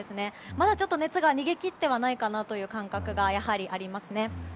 まだちょっと熱が逃げ切ってないという感覚がありますね。